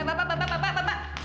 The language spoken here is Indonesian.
bapak bapak bapak bapak